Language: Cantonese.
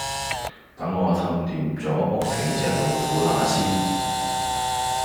等我氹掂左屋企隻老虎乸先